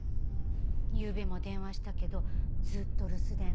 ゆうべも電話したけどずっと留守電。